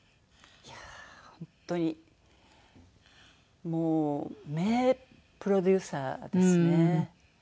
いやあ本当にもう名プロデューサーですね。